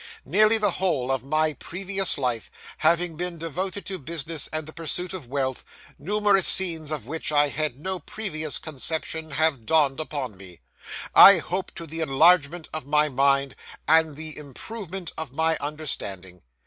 Nearly the whole of my previous life having been devoted to business and the pursuit of wealth, numerous scenes of which I had no previous conception have dawned upon me I hope to the enlargement of my mind, and the improvement of my understanding.